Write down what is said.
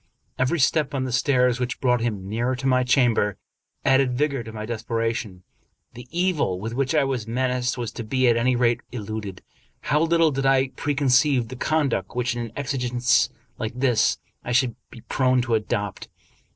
Every step on the stairs which brought him nearer to my chamber added vigor to my desperation. The evil with which I was menaced was to be at any rate eluded. How little did I preconceive the conduct which, in an exigence like this, I should be prone to adopt!